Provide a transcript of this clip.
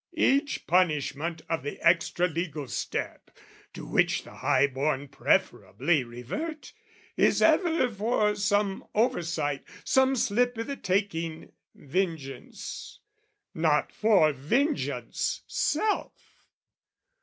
Each punishment of the extra legal step, To which the high born preferably revert, Is ever for some oversight, some slip I' the taking vengeance, not for vengeance' self.